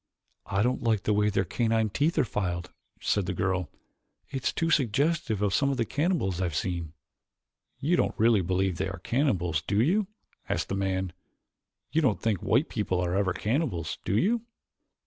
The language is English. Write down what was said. "I don't like the way their canine teeth are filed," said the girl. "It's too suggestive of some of the cannibals I have seen." "You don't really believe they are cannibals, do you?" asked the man. "You don't think white people are ever cannibals, do you?"